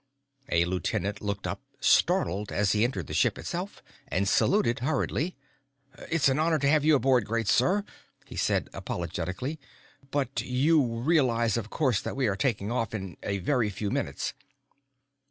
A lieutenant looked up, startled as he entered the ship itself, and saluted hurriedly. "It's an honor to have you aboard, great sir," he said apologetically, "but you realize, of course, that we are taking off in a very few minutes."